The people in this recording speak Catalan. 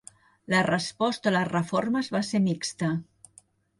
La resposta a les reformes va ser mixta.